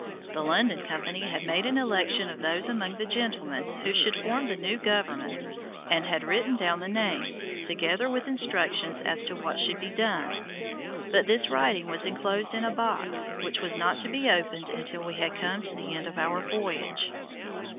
The London Company had made an election of those among the gentlemen who should form the new government, and had written down the names, together with instructions as to what should be done; but this writing was enclosed in a box which was not to be opened until we had come to the end of our voyage.